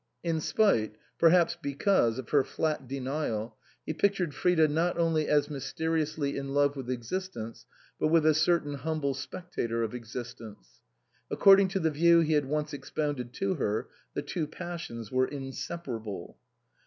In spite, per haps because, of her flat denial, he pictured Frida not only as mysteriously in love with exis tence, but with a certain humble spectator of existence. According to the view he had once expounded to her the two passions were in separable.